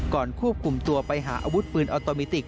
ควบคุมตัวไปหาอาวุธปืนออโตมิติก